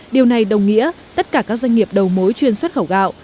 điều này đồng nghĩa tất cả các doanh nghiệp đầu mối chuyên xuất khẩu gạo